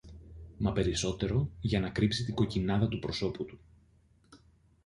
μα περισσότερο για να κρύψει την κοκκινάδα του προσώπου του.